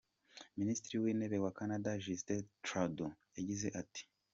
Minisitiri w'Intebe wa Canada, Justin Trudeau yagize ati:.